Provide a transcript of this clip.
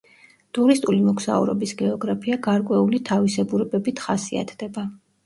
ტურისტული მოგზაურობის გეოგრაფია გარკვეული თავისებურებებით ხასიათდება.